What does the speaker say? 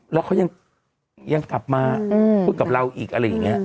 แล้วเขายังกลับมาพูดกับเราอีกอะไรอย่างนี้